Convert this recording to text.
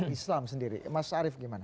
islam sendiri mas arief gimana